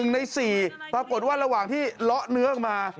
๑ใน๔ปรากฏว่าระหว่างที่เลาะเนื้อออกมา